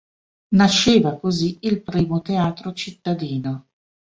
Nasceva così il primo teatro cittadino.